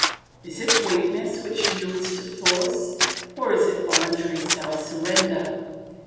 Is it weakness which yields to force, or is it voluntary self surrender?